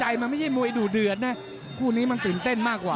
มันไม่ใช่มวยดูเดือดนะคู่นี้มันตื่นเต้นมากกว่า